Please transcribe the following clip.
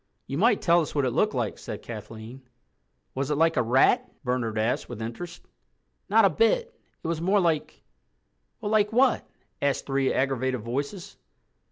"You might tell us what it looked like," said Kathleen. "Was it like a rat?" Bernard asked with interest. "Not a bit. It was more like—" "Well, like what?" asked three aggravated voices.